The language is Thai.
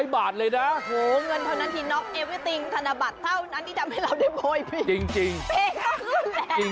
เฟคก็ขึ้นแหละ